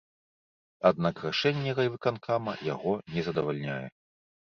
Аднак рашэнне райвыканкама яго не задавальняе.